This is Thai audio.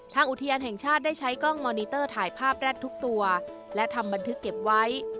อุทยานแห่งชาติได้ใช้กล้องมอนิเตอร์ถ่ายภาพแร็ดทุกตัวและทำบันทึกเก็บไว้